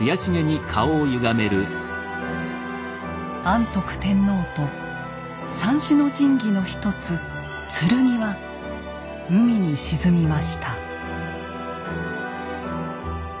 安徳天皇と三種の神器の一つ剣は海に沈みました。